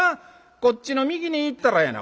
こっちの右に行ったらやな